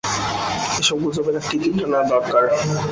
এসব গুজবের একটা ইতি টানা দরকার।